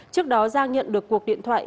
trước đó giang nhận được cuộc điện thoại